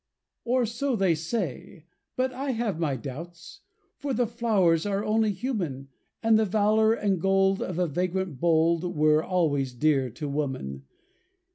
Or, so they say! But I have my doubts; For the flowers are only human, And the valor and gold of a vagrant bold Were always dear to woman.